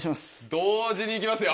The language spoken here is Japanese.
同時に行きますよ。